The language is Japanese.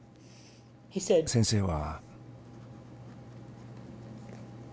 先生は。